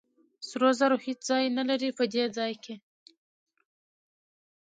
سرو زرو هېڅ ځای نه لري په دې ځای کې.